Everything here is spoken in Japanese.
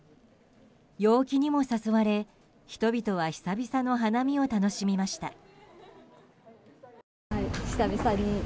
陽気にも誘われ人々は久々の花見を楽しみました。